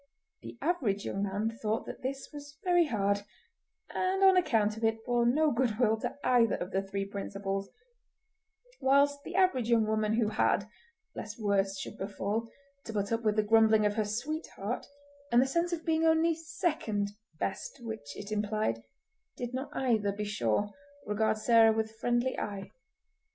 The average young man thought that this was very hard, and on account of it bore no good will to either of the three principals: whilst the average young woman who had, lest worse should befall, to put up with the grumbling of her sweetheart, and the sense of being only second best which it implied, did not either, be sure, regard Sarah with friendly eye.